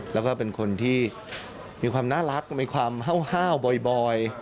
แล้วก็เป็นคนที่มีความน่ารักมีความห้าวบ่อย